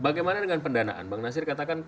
bagaimana dengan pendanaan bang nasir katakan